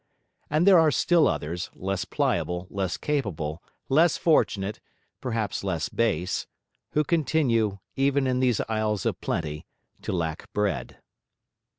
And there are still others, less pliable, less capable, less fortunate, perhaps less base, who continue, even in these isles of plenty, to lack bread.